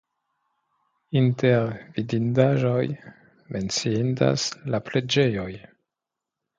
Inter vidindaĵoj menciindas la preĝejoj.